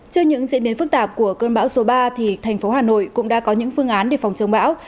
trước những diễn biến phức tạp của cơn bão số ba thì thành phố hà nội cũng đã có những phương án để phòng chống bão